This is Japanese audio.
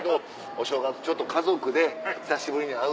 お正月ちょっと家族で久しぶりに会う。